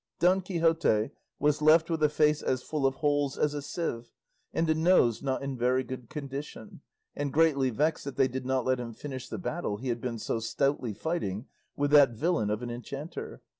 Don Quixote was left with a face as full of holes as a sieve and a nose not in very good condition, and greatly vexed that they did not let him finish the battle he had been so stoutly fighting with that villain of an enchanter.